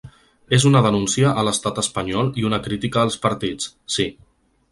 És una denúncia a l’estat espanyol i una crítica als partits, sí.